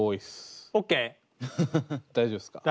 大丈夫っすか？